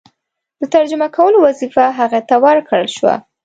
د ترجمه کولو وظیفه هغه ته ورکړه شوه.